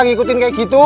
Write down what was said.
ngikutin kayak gitu